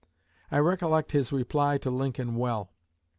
I recollect his reply to Lincoln well.